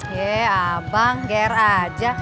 ye abang gairah aja